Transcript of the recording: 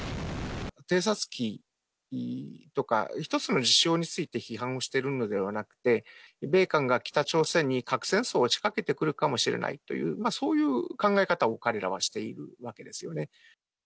偵察機とか、一つの事象について批判をしているのではなくて、米韓が北朝鮮に核戦争を仕掛けてくるかもしれないという、そういう考え方を彼らはしているわけですよね。